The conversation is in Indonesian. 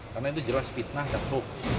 karena itu jelas fitnah dan hoax